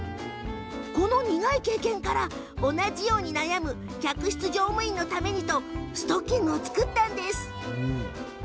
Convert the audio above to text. この苦い経験から、同じように悩む客室乗務員のためにとストッキングを作ったんです。